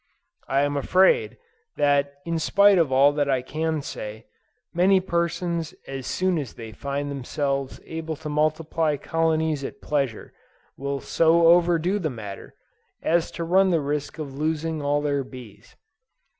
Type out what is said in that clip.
I am afraid, that in spite of all that I can say, many persons as soon as they find themselves able to multiply colonies at pleasure, will so overdo the matter, as to run the risk of losing all their bees.